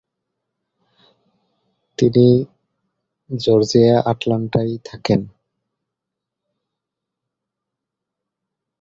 তিনি জর্জিয়ার আটলান্টায় থাকেন।